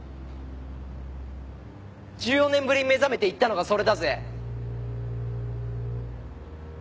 １４年ぶりに目覚めて言ったのがそれだぜ。